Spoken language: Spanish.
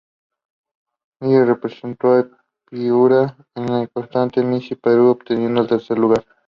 Ella representó a Piura en el certamen Miss Perú, obteniendo el tercer lugar.